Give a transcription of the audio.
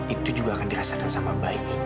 itu juga akan dirasakan sama baik